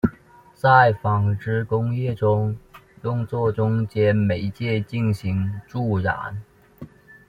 在纺织工业中用作中间媒介进行助染。